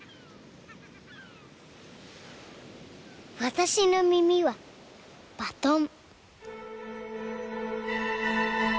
私の耳はバトン。